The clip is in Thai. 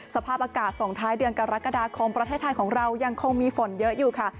สภาพอากาศส่งท้ายเดือนกรกฎาคมประเทศไทยของเรายังคงมีฝนเยอะอยู่ค่ะ